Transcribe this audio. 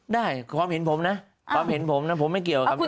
ได้ความเห็นผมนะความเห็นผมนะผมไม่เกี่ยวกับ